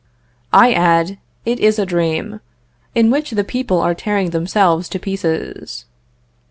I add, it is a dream, in which the people are tearing themselves to pieces.